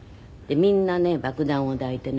みんなね爆弾を抱いてね